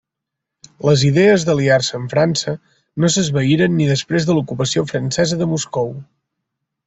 Les idees d'aliar-se amb França no s'esvaïren ni després de l'ocupació francesa de Moscou.